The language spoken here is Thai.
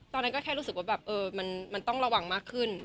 ตอนนั้นก็แค่รู้สึกว่าแบบมันต้องระวังมากขึ้น